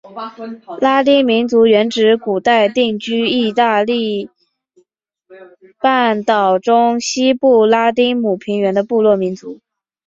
拉丁民族原指古代定居义大利半岛中西部拉丁姆平原的部落民族。